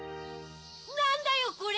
なんだよこれ！